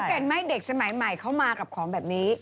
เห็นไหมเด็กสมัยใหม่เขามากับของแบบนี้